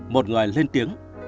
một người lên tiếng